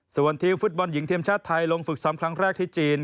ส่วนทีมฟุตบอลหญิงทีมชาติไทยลงฝึกซ้อมครั้งแรกที่จีน